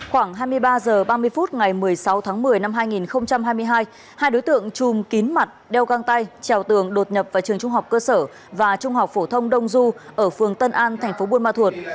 khoảng hai mươi ba h ba mươi phút ngày một mươi sáu tháng một mươi năm hai nghìn hai mươi hai hai đối tượng chùm kín mặt đeo găng tay trèo tường đột nhập vào trường trung học cơ sở và trung học phổ thông đông du ở phường tân an thành phố buôn ma thuột